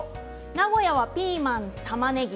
名古屋はピーマン、たまねぎ。